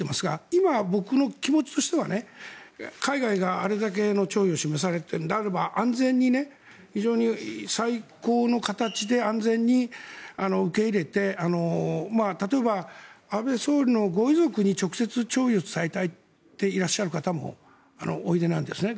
今、僕の気持ちとしては海外があれだけの弔意を示されているのであれば非常に最高の形で安全に受け入れて例えば、安倍元総理のご遺族に直接弔意を伝えたいといらっしゃる方もおいでなんですね。